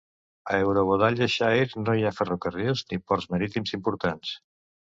A Eurobodalla Shire no hi ha ferrocarrils ni ports marítims importants.